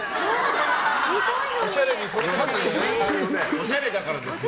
おしゃれだからですよ。